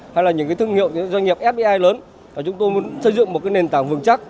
hay là những thương hiệu doanh nghiệp fbi lớn và chúng tôi muốn xây dựng một nền tảng vườn chắc